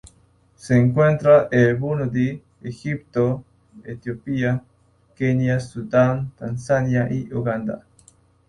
Se encuentra en Burundi, Egipto, Etiopía, Kenia, Sudán Tanzania y Uganda.